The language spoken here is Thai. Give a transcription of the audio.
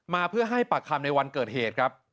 มาเพื่อให้ปากคำในวันเกิดเหตุครับ